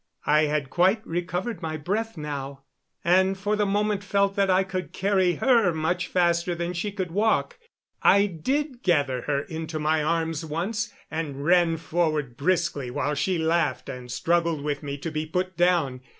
I had quite recovered my breath now, and for the moment felt that I could carry her much faster than she could walk. I did gather her into my arms once, and ran forward briskly, while she laughed and struggled with me to be put down.